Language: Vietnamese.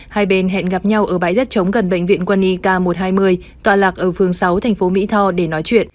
hai bên hẹn gặp nhau ở bãi đất chống gần bệnh viện quân y k một trăm hai mươi tọa lạc ở phường sáu thành phố mỹ tho để nói chuyện